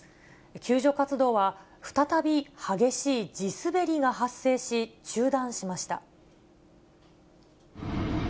救助活動は再び激しい地滑りが発生し、中断しました。